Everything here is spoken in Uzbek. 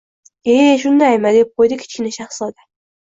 — E, shundaymi? — deb qo‘ydi Kichkina shahzoda